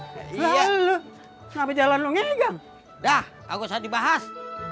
selalu ngapain jalan ngegang dah aku saat dibahas